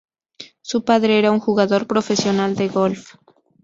Su padre era un jugador profesional de golf.